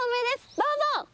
どうぞ！